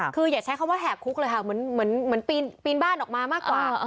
คืออย่าใช้คำว่าแหกคุกเลยค่ะเหมือนปีนบ้านออกมามากกว่า